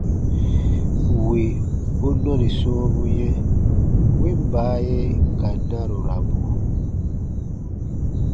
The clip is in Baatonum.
Wì u nɔni sɔ̃ɔbu yɛ̃, win baaye ka narurabu.